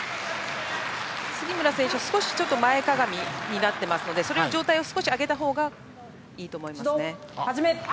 杉村選手、少し前かがみになっていますので上体を少し上げた方がいいと思います。